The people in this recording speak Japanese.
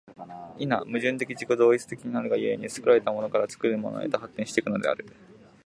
否、矛盾的自己同一的なるが故に、作られたものから作るものへと発展し行くのである。